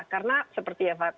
karena seperti yang tadi mbak desi